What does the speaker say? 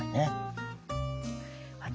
私